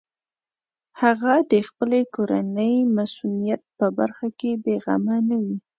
هغه د خپلې کورنۍ مصونیت په برخه کې بېغمه نه وي.